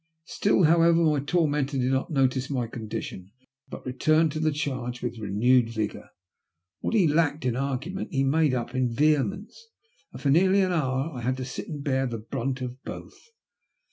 Still, however, my tormentor did not notice my condition, but returned to the charge with renewed vigour. What he lacked in argument he made up in vehemence. And for nearly an hour I had to sit and bear the brunt of both.